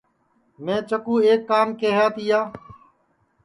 میں چکُُو ایک کام کیہیا تیا